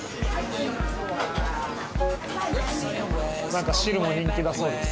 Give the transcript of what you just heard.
何か汁も人気だそうです